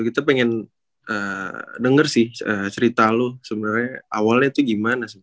kita pengen denger sih cerita lu sebenernya awalnya tuh gimana sih